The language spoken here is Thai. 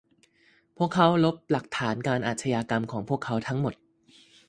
พวกเขาลบหลักฐานการอาชญากรรมของพวกเขาทั้งหมด